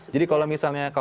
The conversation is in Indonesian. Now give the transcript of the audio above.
jadi kalau misalnya